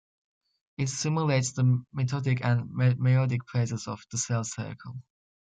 It stimulates the mitotic and meiotic phases of the cell cycle.